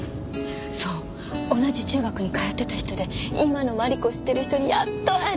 そう同じ中学に通ってた人で今のマリコを知ってる人にやっと会えたって連絡あった。